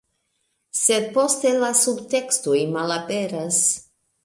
Sed poste, la subtekstoj malaperas.